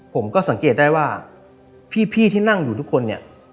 ผมก็สังเกตได้ว่าพี่ที่นั่งอยู่ทุกคนเนี่ย